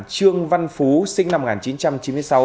trương văn phú sinh năm một nghìn chín trăm chín mươi sáu